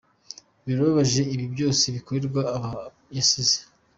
Birababaje ibibi byose bikorerwa abo yasize.